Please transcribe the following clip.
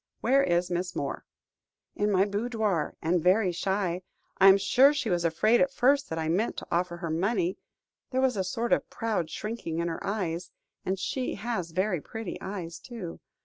Where is Miss Moore?" "In my boudoir, and very shy. I am sure she was afraid at first that I meant to offer her money, there was a sort of proud shrinking in her eyes and she has very pretty eyes, too.